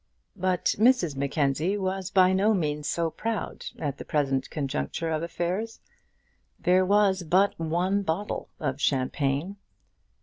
But Mrs Mackenzie was by no means so proud at the present conjuncture of affairs. There was but one bottle of champagne.